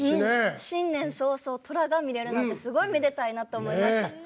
新年早々、トラが見れるなんてすごいめでたいなと思いました。